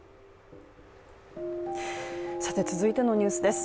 続いてのニュースです。